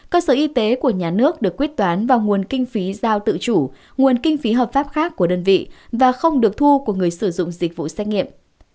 cơ sở y tế của nhà nước được quyết toán vào nguồn kinh phí giao tự chủ nguồn kinh phí hợp pháp khác của đơn vị và không được thu của người sử dụng dịch vụ xét nghiệm